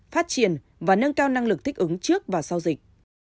phát triển và nâng cao năng lực thích ứng trước và sau dịch